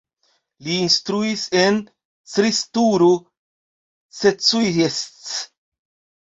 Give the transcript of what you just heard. Li instruis en Cristuru Secuiesc.